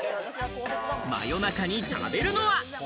真夜中に食べるのは？